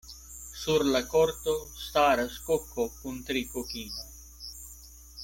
Sur la korto staras koko kun tri kokinoj.